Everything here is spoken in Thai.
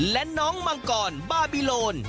และน้องมังกรบาบิโลน